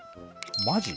マジ？